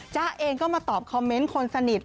จ๊ะเองก็มาตอบคอมเมนต์คนสนิท